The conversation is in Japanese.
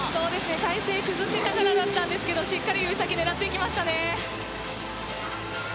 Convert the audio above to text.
体勢崩しながらだったんですがしっかり指先狙っていきましたね。